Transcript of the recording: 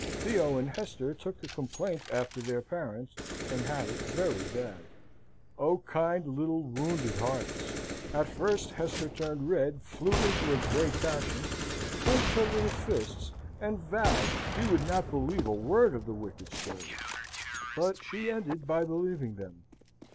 Theo and Hester took the complaint after their parents, and had it very bad. O kind, little, wounded hearts! At first Hester turned red, flew into a great passion, clenched her little fists, and vowed she would not believe a word of the wicked stories; but she ended by believing them.